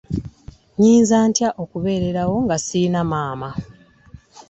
Nnyinza ntya okubeerawo nga ssirina maama.